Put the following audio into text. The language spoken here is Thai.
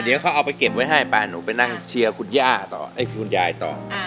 เดี๋ยวเขาเอาไปเก็บไว้ให้ไปหนูไปนั่งเชียวคุณยายต่อ